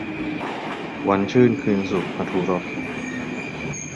วันชื่นคืนสุข - มธุรส